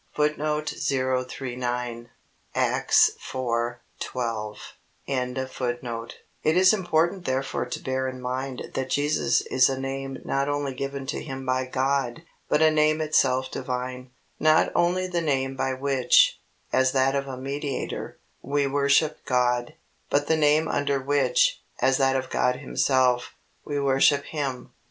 " It is important therefore to bear in mind that Jesus is a name not only given to Him by God, but a name itself Divine; not only the name by which, as that of a Mediator, we worship God, but the name under which, as that of God Himself, we worship Him.